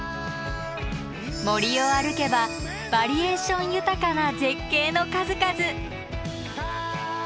森を歩けばバリエーション豊かな絶景の数々！